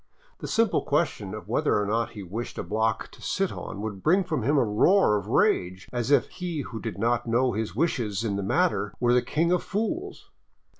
The simple question of whether or not he wished a block to sit on would bring from him a roar of rage, as if he who did not know his wishes in the matter were the king of fools.